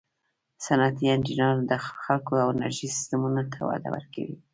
صنعتي انجینران د خلکو او انرژي سیسټمونو ته وده ورکوي.